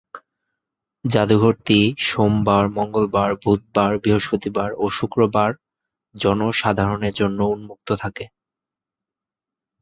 জাদুঘরটি সোমবার, মঙ্গলবার, বুধবার, বৃহস্পতিবার ও শুক্রবার জনসাধারণের জন্য উন্মুক্ত থাকে।